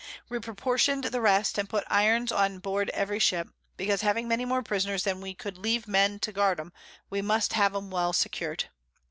We proportion'd the rest, and put Irons on board every Ship, because having many more Prisoners than we could leave Men to guard 'em, we must have 'em well secur'd.